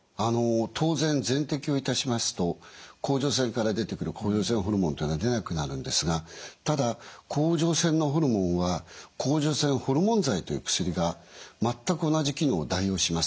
当然全摘をいたしますと甲状腺から出てくる甲状腺ホルモンというのは出なくなるんですがただ甲状腺のホルモンは甲状腺ホルモン剤という薬が全く同じ機能を代用します。